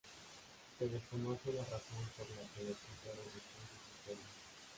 Se desconoce la razón por la que el escritor eligió esas historias.